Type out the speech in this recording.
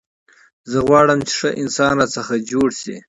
زه غواړم، چي ښه انسان راڅخه جوړ سي.